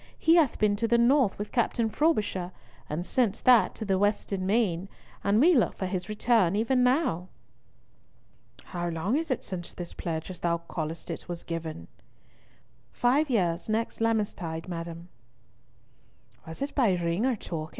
He hath been to the North with Captain Frobisher, and since that to the Western Main, and we look for his return even now." "How long is it since this pledge, as thou callest it, was given?" "Five years next Lammas tide, madam." "Was it by ring or token?"